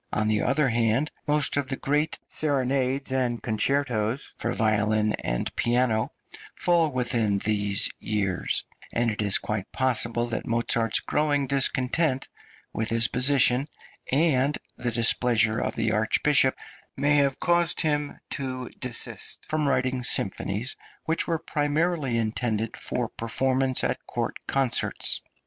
On the other hand most of the great serenades and concertos for violin and piano fall within these years; and it is quite possible that Mozart's growing discontent with his position and the displeasure of the Archbishop may have caused him to desist {MOZART'S SYMPHONIES.} (299) from writing symphonies which were primarily intended for performance at court concerts.